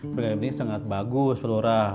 program ini sangat bagus lurah